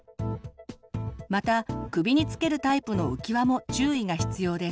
また首につけるタイプの浮き輪も注意が必要です。